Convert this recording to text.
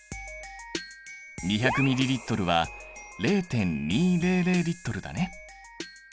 ２００ｍＬは０．２００Ｌだね。